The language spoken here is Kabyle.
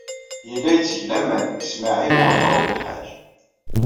Yella yetteg laman deg Smawil Waɛmaṛ U Belḥaǧ.